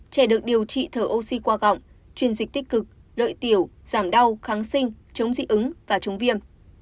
trẻ được điều trị thở oxy qua gọng truyền dịch tích cực lợi tiểu giảm đau kháng sinh chống dị ứng và chống viêm